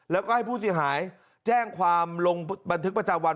แล้วก็ให้ผู้เสียหายแจ้งความลงบันทึกประจำวัน